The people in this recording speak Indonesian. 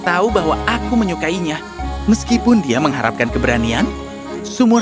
semua orang mulai meminta keinginan untuk membawa badan mereka hidup dan magenta tersebut